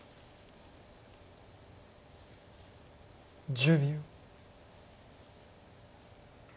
１０秒。